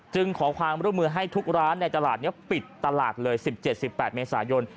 ขอความร่วมมือให้ทุกร้านในตลาดนี้ปิดตลาดเลย๑๗๑๘เมษายน